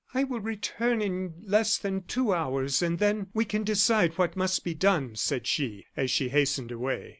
"I will return in less than two hours, and then we can decide what must be done," said she, as she hastened away.